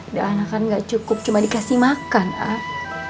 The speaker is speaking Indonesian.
dan anak kan gak cukup cuma dikasih makan ah